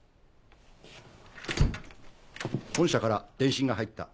本社から電信が入った。